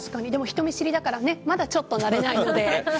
人見知りだからまだちょっとなれないので。